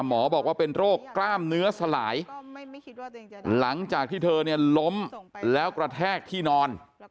บอกว่าเป็นโรคกล้ามเนื้อสลายหลังจากที่เธอเนี่ยล้มแล้วกระแทกที่นอน